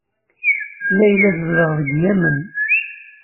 Layla tezdeɣ deg Yamen.